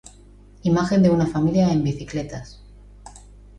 Imagen de una familia en biciletas